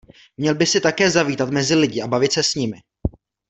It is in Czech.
Měl by jsi také zavítat mezi lidi a bavit se s nimi.